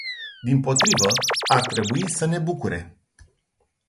Dimpotrivă, ar trebui să ne bucure.